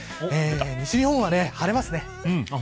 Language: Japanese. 西日本は晴れますね。